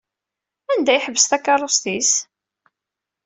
Anda i yeḥbes takeṛṛust-is?